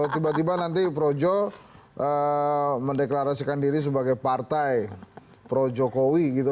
tiba tiba nanti projo mendeklarasikan diri sebagai partai pro jokowi gitu